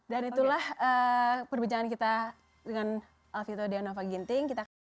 dan itulah perbincangan kita dengan alvito deonova ginting